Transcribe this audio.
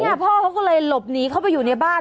พ่อเขาก็เลยหลบหนีเข้าไปอยู่ในบ้าน